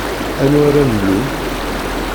Anwa ara nlumm?